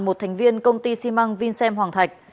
một thành viên công ty xi măng vinsm hoàng thạch